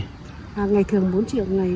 còn các ngày kia kín hết đến tháng tám rồi